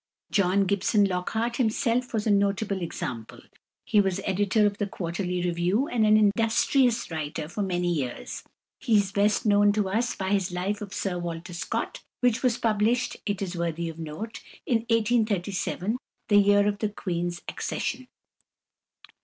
=John Gibson Lockhart (1794 1854)= himself was a notable example. He was editor of the Quarterly Review, and an industrious writer for many years; but he is best known to us by his "Life of Sir Walter Scott," which was published it is worthy of note in 1837, the year of the Queen's accession.